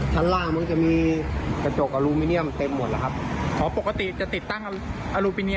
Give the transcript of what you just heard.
ที่คนร้ายมางัดแล้วก็ยกริปไป